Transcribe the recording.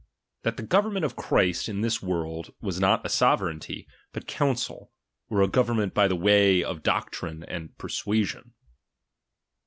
That the gb veroment of Christ in this world was not a sovereignty, but counsel, or a government by the way of doctrine and persua sion.